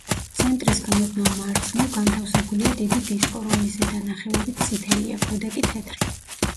ცენტრისგან ოდნავ მარცხნივ, განთავსებულია დიდი დისკო, რომლის ზედა ნახევარიც წითელია, ქვედა კი თეთრი.